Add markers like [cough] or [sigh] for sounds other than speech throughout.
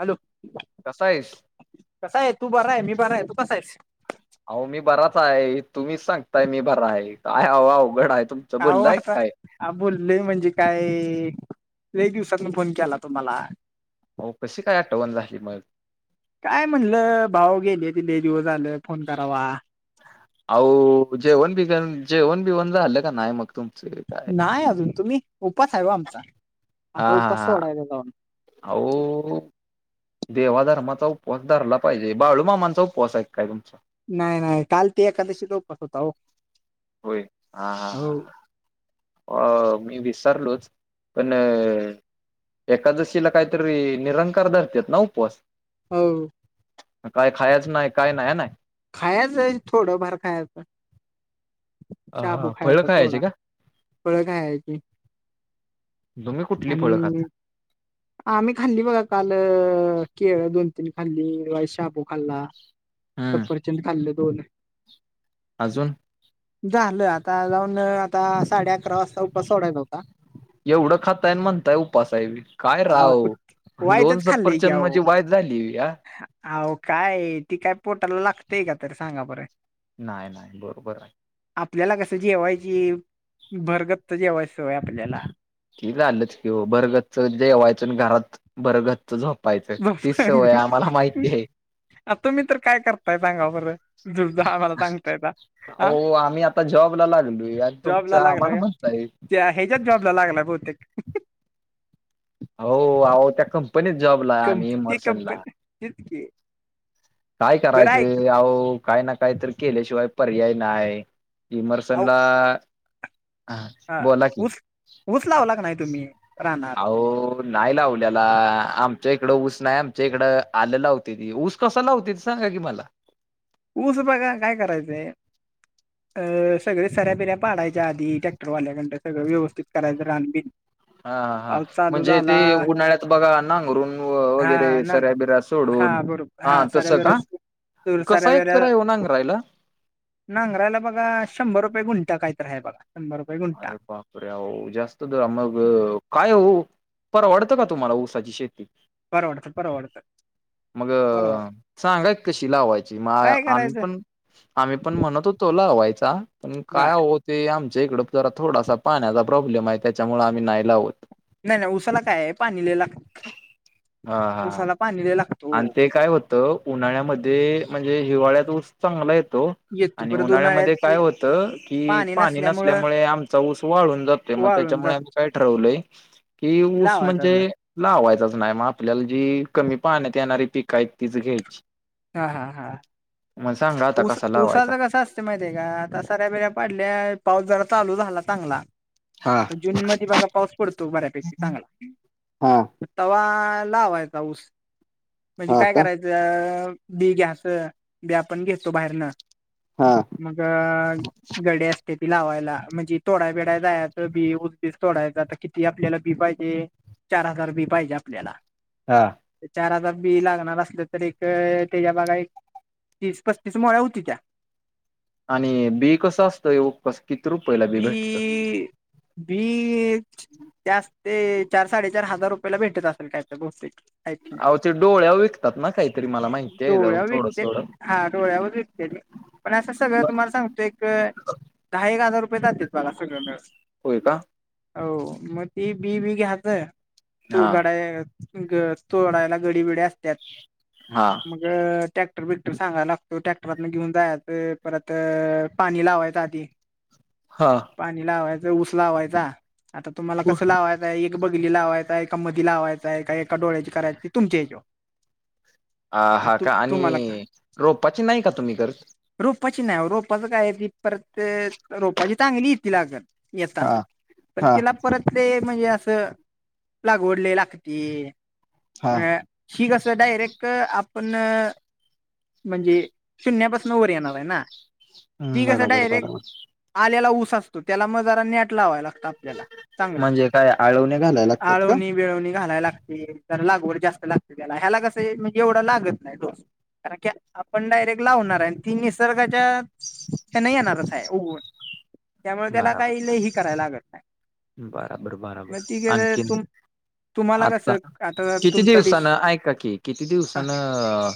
Hello. कसा आहेस? कसा आहेस तू बरा आहे. मी बरा आहे. तू कसा आहेस? अहो मी बराच आहे तुम्हीच सांगताय मी बराए काय आव अवघड आहे तुमचं. आव्ह बोललाय आता. काय? हा बुलोय म्हणजे काय लय दिवसातून फोन केला तुम्हाला. अहो कशी काय आठवण झाली मग. काय म्हणलं भाऊ गेल्याती लय दिवस झालं फोन करावा. आहो जेवण बिगन जेवण बीवन झालं का नाय मग? तुमचं काय? नाय अजून, तुम्ही उपास हाय व आमचा? हा आता उपास सोडायचा जाऊन हा ओ देवा धर्माचा उपवास धरला पाहिजे. बाळूमामाचा उपवास हाय काय तुमचा? नाय नाय काल ते एकादशीचा उपवास होता ओ. होय हा हा हा. अ मी विसरलोच पण एकादशीला काहीतरी निरंकार धरत्यात ना उपवास. हो. काय खायचं नाय काय नाय हाय नाय. खायाच एक थोडं फार खायाचं. शाबू हा फळं खायचा खायची थोडा का? फळ खायची. तुम्ही कुठली फळ? हम्म हम्म. आम्ही खाल्ली बघा काल केळ दोन तीन खाल्ली वाईस शाबू खाल्ला. हम्म. सफरचंद खाल्लं दोन. अजून? झालं आता जाऊन आता साडे अकरा वाजता उपवास सोडायचा होता. एवढा खाताय आणि म्हणताय उपवास आहे काय आव राव कुठ दोन वायचच सफरचंद चंद म्हणजे वाइस झाली व्हय. हा ओ काय ती काय पोटाला लागतंय का तर सांगा बरं. नाय नाय बरोबर. आपल्याला कसं जेवायची भर गच्च! जेवायची सवय आपल्याला. ती झालंच की ओ भरगच्च जेवायचं आणि घरात भरगच्च झोपा पायच. तीच सवय आम्हाला माहितीये. मग तुम्ही तर काय? करताय सांगा बरं तुमचं आम्हाला सांगतायसा. हा हो आम्ही आता जॉबला लागलोय आणि तुमचं जॉबला लागलाय आम्हाला का? म्हणताय त्या याच्यात जॉबला लागलाय बहुतेक. आहो, आहो त्या कंपनीत जॉबला आहे. आम्ही इमर्शन ला. तिच की. काय? बरं ऐक करायचं आहो काय ना काय तर केल्याशिवाय, पर्याय नाय. अहो इमर्शनला हां हा बोला की ऊस ऊस लावला का नाही तुम्ही रानात अहो नाय लावलेला. आमच्या इकडं ऊस नाय आमच्या इकडे आलं लावते ती ऊस कसा? लावतात. सांगा की मला. ऊस बघा काय? करायचंय. अ सगळे सऱ्या, बिऱ्या पाडायच्या आधी ट्रॅक्टरवाल्याकडन सगळं व्यवस्थित करायचं रान, बीन. हा हा हा. म्हणजे ते उन्हाळ्यात बघा. नांगरून वगैरे हा ना सऱ्या, बिऱ्या हा सोडून. हा सऱ्या, तसं बीऱ्या का सो कसा? एकर आहे हो नांगरायला. नांगरायला बघा शंभर रुपये गुंटा काहीतर आहे बघा शंभर रुपये. गुंठा अरे बाप! अरे हो जास्त दर मग काय? हो परवडतं क तुम्हाला ऊसाची शेती. परवडत, परवडत. मग सांगा की कशी? लावायची मग काय आम्ही करायचं पण- आम्ही पण म्हणत होतो लावायचा. पण बर काय आवते आमच्या इकडं जरा थोडासा पाण्याचा प्रॉब्लेम आहे. त्याच्यामुळे आम्ही नाही. नाही नाही उसाला काय? आहे पाणी लय लागतं हा हा उसाला पाणी लय लागतं. आणि ते काय? होतं उन्हाळ्यामध्ये म्हणजे हिवाळ्यात ऊस चांगला येतो. येतो आणि परत उन्हाळ्यात उन्हाळ्यामध्ये काय? ते होतं कि पाणी नसल्यामुळे आमचा ऊस वाळून जातो. ते मग वाळून जात त्याच्यामुळे आम्ही काय? ठरवलंय की ऊस लावायचाच म्हणजे नाही लावायचाच नाही. मग आपल्याला जी कमी पाण्यात येणारी पिकं आहेत. तीच घ्यायची. हा हा हा मग सांगा आता उस कसा लावायचा. ऊसाचं कसं असत माहिते का? आता साऱ्या, बिऱ्या पाडल्या पाऊस जरा चालू झाला चांगला. आता जुून मध्ये बघा पाऊस पडतो बऱ्यापैकी चांगला. हा तवा लावायचा ऊस म्हणजे हा काय? का करायचं बी घ्याचं. बी आपण घेतो. बाहेरनं हा मग गडी अस ते बी लावायला. म्हणजे तोडा्य बिडा्या जाय बी उसबीस तोडायचा किती? आपल्याला बी पाहिजे. चार हजार बी पाहिजे आपल्याला. हां. चार हजार बी लागणार असलं तर एक त्याच्या बघा एक- तीस, पस्तीस मोळ्या होती त्या. आणि बी कसं? असतं येऊ कस किती रुपयाला भेटतं. बी बीच जास्त ते चार, साडेचार हजार रुपयाला भेटत असेल काय तर बहुतेक. अच्छा! अहो ते डोळ्यावर विकतात ना काहीतरी मला माहिती आहे डोळ्या थोडं विकते थोडं हा डोळ्यावर विकते ते. पण असं सगळं तुम्हाला सांगतो एक दहा एक हजार रुपये जातेत बघा सगळं मिळून. होय का? हो मग ती बी बी घ्याच तू हा गडा ग तोडायला गडीबिडी असत्यात. हा. मग टॅक्टर बिकटर सांगा लागतो ट्रॅक्टरातन घेऊन जायच परत पाणी लावायच आधी. हा. पाणी लावायच ऊस लावायचा आता तुम्हाला कसं लावायच एक बगली लावायचाय एका मधि लावायचंय का एकाडोळ्याची करायची ते तुमच्या ह्याच्यावर हा म्हणजे हा तु का तुम्हाला का आणि रोपाची नाही का तुम्ही करत? रोपाची नाही रोपाचं काय ती परत रोपाची चांगली येती लागन हा येताना पण हा तिला परत ते म्हणजे असं लागवड लय लागती हा अ ही कसं डायरेक्ट आपण म्हणजे शून्या पासून वर येणार आहे ना ती कस डायरेक्ट आल्याला ऊस असतो त्याला मग जरा नॅट लावा लागतात. त्याला चांगलं म्हणजे काय आळवणे घालायला लागतात का? आळोनि वेळवणी घालायला लागती तर लागव जास्त लागते त्याला ह्याला कसं म्हणजे एवढ लागत नाही डोस. कारण की आपण डायरेक्ट लावणार आहे आणि ती निसर्गाच्या ह्यांन येणारच आहे उगऊन. करायला लागत नाही बराबर बराबर मग ती आणखीन? तुम तुम्हाला आता कसं आता किती तुमचा डिश दिवसानं ऐका कि किती दिवसानं अ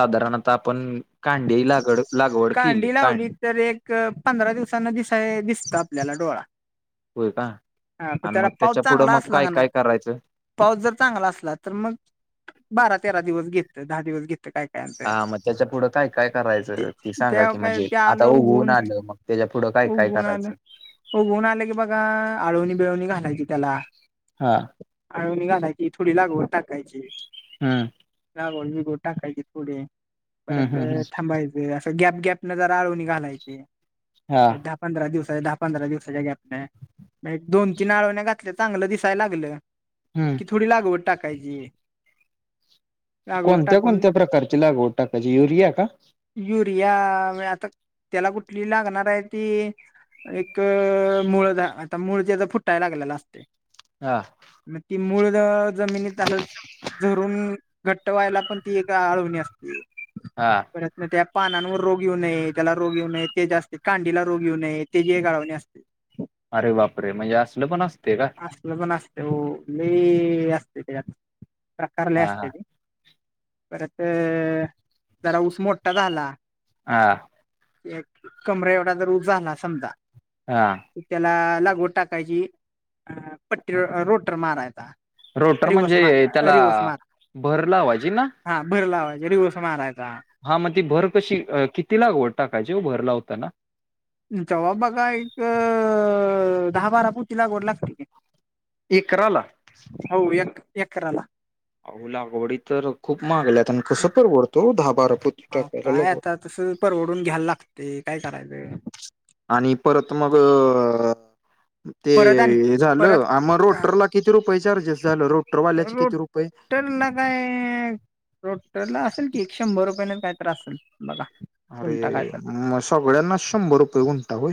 साधारणता आपण कांडी लागड लागवड केली कांडी काय. लावली तर एक पंधरा दिवसांना दिसा दिसत आपल्याला डोळा. होय का हा प आणि त्याला मग पाऊस त्याच्या पुढं चांगला मग असला काय का नाय काय करायचं? पाऊस जर चांगला असला तर मग बारा तेरा दिवस घेत दहा दिवस घेत काय कायअसं आहे. हा मग त्याच्या पुढं काय काय करायचं ते सांगा त्या की काय म्हणजे ते आता आलं उगवून आलं मग त्याच्या पुढं काय काय उगवून आलं करायचं? उगवून आल की बघा आळवणी बिळवणी घालायची त्याला. हा आळवणी घालायची थोडी लागवड टाकायची. हम्म लागवड बिगवड टाकायची थोडी. हम्म परत हम्म हम्म थांबायचे असं गॅप गॅप न जरा आळवनि घालायचि हा आणि पंधरा दिवसाच्या दहा पंधरा दिवसाच्या गॅपने म्हणजे दोन तीन आळवण्या घातल्या चांगलं दिसायला लागलं. हम्म. कि थोडी लागवड टाकायची. लागवड कोणत्या टाकून कोणत्या प्रकारची लागवड टाकायची युरिया का? युरिया आता त्याला कुठली लागणार आहे ती. एक मुूळ ज्याचं आता मुळ त्याचा फुटाय लागले असतय. हा. मग ती मूळ जमिनीतं असं झरून घट्ट व्हायला पण ती एक आळवणी असती. हा. नाही त्या पानांवर रोग येऊ नये त्याला रोग येऊ नये ते जास्ते कांडीला रोग येऊ नये तेजि एक आळवणी असती ह [unintelligible] अरे बापरे म्हणजे असलं पण असते का? असलं पण असते ओ लय असते तेज्यात प्रकार लय हा असते ते. परत जरा ऊस मोठा झाला. हां. कमरे एवढा जर ऊस झाला समजा हां. की त्याला लागवड टाकायची अ पट्टी अ रोटर मारायचा. रोटर रिवर्स म्हणजे मार त्याला रिवर्स मार भर लावायचीना. हा भर लावायची, रिवस मारायचा. हा म ती भर कशी अ किती लागवड टाकायची ओ भर लावताना. जवा बघा एक दहा बारा पोती लागवड लागत्या की. एकराला? हो, एक एकराला. अहो लागवडी तर खूप महागल्यात अन हं. कसं परवडत ओ दहा बारा पोती अहो टाकायला काय लागवड. आता तसं परवडून घ्याय लागते काय करायचं. आणि परत मगं ते परत आणि हे झालं परत आम हा रोटरला किती रुपये चार्जेस झालं, रोटरवाल्याचे किती रुपये? रोटरला काय रोटरला असेल कि एक शंभर रुपये नईन काय तर असंल. अरे म सगळ्यांना शंभर रुपये गुंठा होय.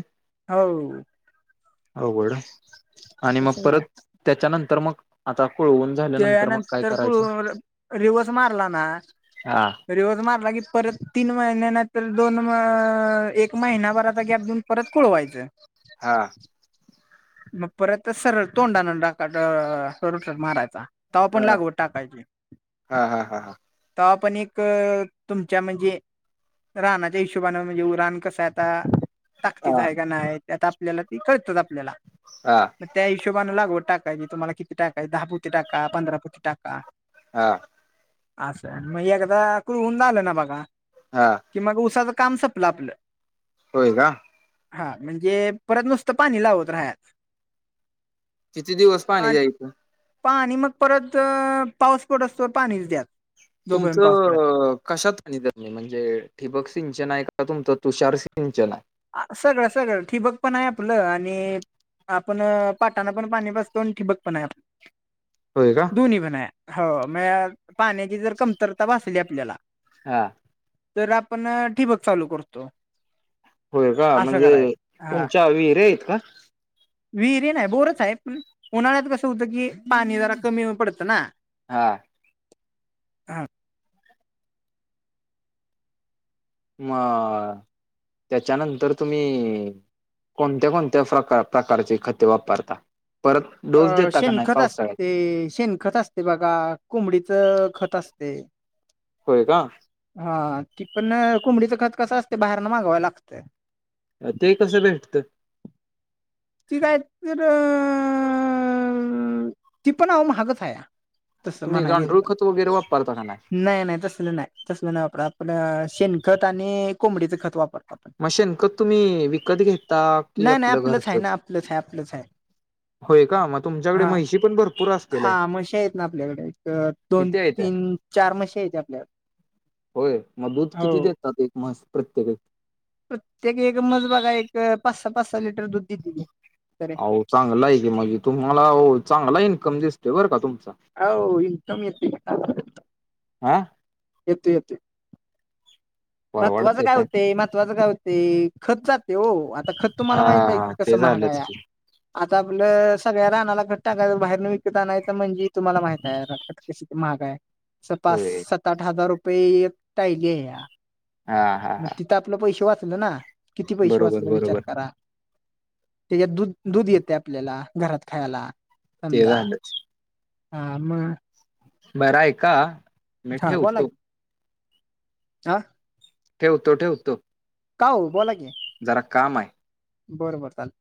हो अवघडाय आणि म कसं काय परत त्याच्यानंतर मग आता कोळवून त्या झाल्यानंतर मग काय नंतर करायचं? करून रिवस मारलाना हा. रीवस मारला की परत तीन मईन्या नाई तर दोन म एक महिनाभर आता गॅप दिऊन परत कुळवायचं. हा मग परत सरळ तोंडानंडाकार रोटर मारायचा. तवा हा पण लागवड टाकायची. हा हा हा हा. तवा पण एक तुमच्या म्हणजे रानाच्या हिशोबानं म्हणजे रान कसाय आता. ताकतीचं हा. हाय का नाय ते आता आपल्याला ती कळतच आपल्याला. हां. म त्या हिशोबानं लागवड टाकायची तुम्हाला किती टाकाय दहा पोती टाका पंदरा पोती टाका. हा. असंन म एकदा कुळवुन झालं ना बघा हा. कि मग उसाचं काम संपलं आपलं. होय का? हा म्हणजे परत नुसतं पाणी लावत र्हाया. किती दिवस पाणी द्यायचं? पाणी मग परत पाऊस पडस तवर पाणीच द्या. जोपर्यंत पाऊस पडत तुमचं कशात आणि म्हणजे ठिबक सिंचनाय का, तुमचं तुषार सिंचनाय? सगळं सगळं ठिबक पण हाय आपलं आणि आपण पाटानं पण पाणी पाजतो आणि ठिबक पण हाय आप व्हय का? दोन्हीपण हाय हो मे पाण्याची जर कमतरता भासली आपल्याला हा तर आपण ठिबक चालू करतो. होय.. का, असं म्हणजे.. करायचं हा तुमच्या व्हिरी आहेत का? विहिरी नाय, बोरच हाय.. पण उन्हाळ्यात कसं होतं की.. पाणी जरा कमी पडतं ना हा हा मा... आ त्याच्यानंतर तुम्ही कोणत्या- कोणत्या प्रका.. प्रकारचे खते वापरता, परत डोस अ.. देता का नाही शेणखत पावसाळ्यात असतेय, शेणखत असते बघा कोबडीचं खत असतय. होय.. का? हा.. ती पण कोंबडीचं खत कसं असतं बाहेरन मागवावं लागतंय. ते कसं भेटतं? ती काय.. त.. र अ.. अ.. ती पण आवो महाग हाया तसं तुम्ही म्हणाय गेलं गांडूळ तर, खत वगैरे वापरता का नाही नाय.. नाय.. तसं तस नाय, तसलं नाय वापरत आपल्या.. शेणखत आणि कोंबडीचं खत वापर मग.. शेणखत तुम्ही विकत घेता की? नाही नाही आपलं आपलंच घरच आहे ना आपलंच हाय.. आपलंच हाय मग तुमच्याकडे हा.. म्हैशी पण भरपूर असतील हा.. म्हशी हायत ना आपल्याकडे एक.. दोन किती आहे त्या -तीन चार म्हशी हायेत आपल्या होय.. मग दूध किती देतात एक म्हस.. प्रत्येक प्रत्येकी एक मज बघा एक पाच -सहा, पाच- सहा लिटर दूध देतेती. अहो.. चांगलं हाय की मग तुम्हाला चांगला इन्कम दिसतोय तुमचा अहो.. इन्कम येतोय ह्... हा येतो.. येतोय महत्वाचं परवडते काय पण होतंय, महत्वाचं काय ते.. खत जातय ओ.. आता खत तुम्हाला हा माहित आहे की हा कसं ते महागा झालंच आहेया. की आता आप.. लं सगळ्या राणाला खत टाकाय बाहेरन विकत आणायचं म्हणजे तुम्हाला माहित आहे कशी महागा आहे, पाच होय स.. सात -आठ हजार रुपये एक टाहिली आहे या हा हा मग हा तिथं आपलं पैसे वाचल ना, किती पैसे बरोबर वाचल बरोबर विचार करा. त्याच्यात दूध.. दूध येते आपल्याला, घरात खायला. ते समजा झालं. हा.. आ.. म बर आहे का.. मी हा बोला ठेवतो. की हा ठेवतो.. ठेवतो. का.. ओ.. बोला की जरा काम है. बरं.. बर.. चालेल.